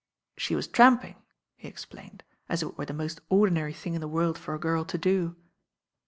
"She was tramping," he explained, as if it were the most ordinary thing in the world for a girl to do.